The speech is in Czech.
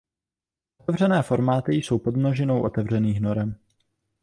Otevřené formáty jsou podmnožinou otevřených norem.